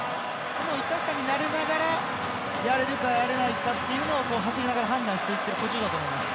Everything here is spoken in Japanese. その痛さに慣れながらやれるか、やらないかというのを走りながら判断していっている途中だと思います。